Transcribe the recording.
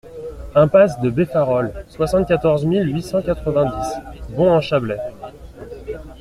Impasse de Beffarol, soixante-quatorze mille huit cent quatre-vingt-dix Bons-en-Chablais